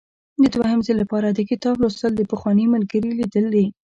د دوهم ځل لپاره د کتاب لوستل د پخواني ملګري لیدل دي.